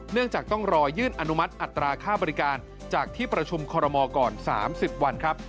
เนื่องจากต้องรอยื่นอนุมัติอัตราค่าบริการจากที่ประชุมคอรมอลก่อน๓๐วันครับ